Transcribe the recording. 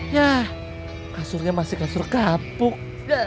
yah kasurnya masih kasur kapuk